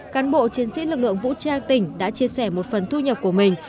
cán bộ chiến sĩ lực lượng vũ trang tỉnh đã chia sẻ một phần thu nhập của mình